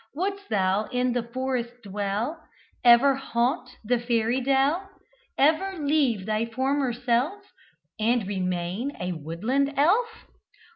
Would'st thou in the forest dwell, Ever haunt the Fairy dell, Ever leave thy former self, And remain a woodland elf?